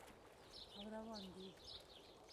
او روان دي